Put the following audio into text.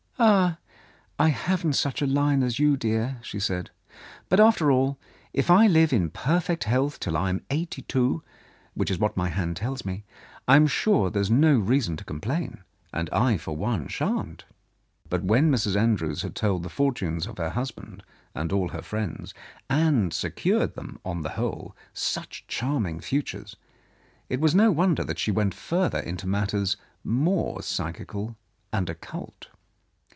"Ah, I haven't such a line as you, dear," she said. "But, after all, if I live in perfect health till I am eighty two, which is what my hand tells me, I'm sure there's no reason to complain, and I for one shan't." But when Mrs. Andrews had told the fortunes of her husband and all her friends, and secured them, on the whole, such charming futures, it was no wonder that she went further into matters more psy chical and occult.